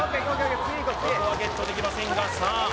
ここはゲットできませんがさあ